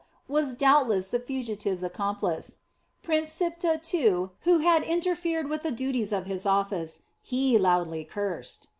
was doubtless the fugitive's accomplice. Prince Siptah, too, who had interfered with the duties of his office, he loudly cursed.